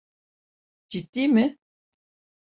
Ciddi mi?